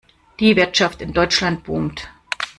Die Wirtschaft in Deutschland boomt.